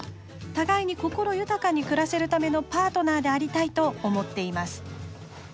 互いに心豊かに暮らせるためのパートナーでありたいと思っています。